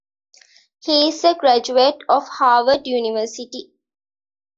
He is a graduate of Harvard University.